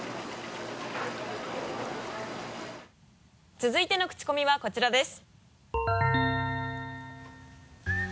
続いてのクチコミはこちらです。